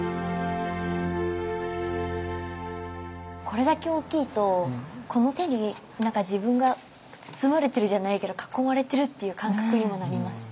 これだけ大きいとこの手に何か自分が包まれてるじゃないけど囲まれてるっていう感覚にもなります。